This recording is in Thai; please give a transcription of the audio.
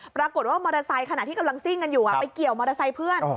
ปรากฏว่ามอเตอร์ไซค์ขณะที่กำลังซิ่งกันอยู่ไปเกี่ยวมอเตอร์ไซค์เพื่อน